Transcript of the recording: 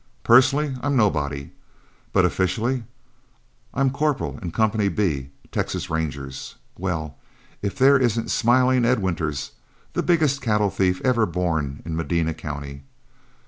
"Personally I'm nobody, but officially I'm Corporal in Company B, Texas Rangers well, if there isn't smiling Ed Winters, the biggest cattle thief ever born in Medina County.